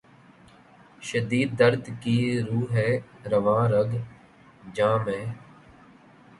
شدید درد کی رو ہے رواں رگ ِ جاں میں